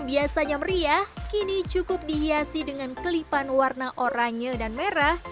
biasanya meriah kini cukup dihiasi dengan kelipan warna oranye dan merah